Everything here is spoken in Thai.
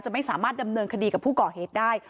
ไม่สามารถดำเนินคดีกับผู้ก่อเหตุได้